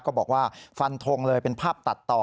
บอกว่าฟันทงเลยเป็นภาพตัดต่อ